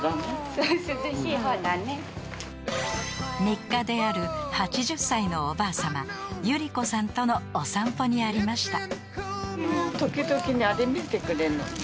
［日課である８０歳のおばあさまゆりこさんとのお散歩にありました］